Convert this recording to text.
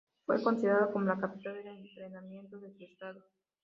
Fue considerado como la capital del entretenimiento de su estado.